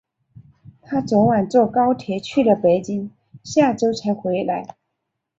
她昨晚坐高铁去了北京，下周才回来。